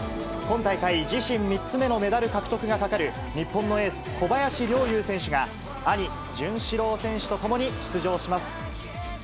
今大会、自身３つ目のメダル獲得がかかる日本のエース、小林陵侑選手が、兄、潤志郎選手とともに出場します。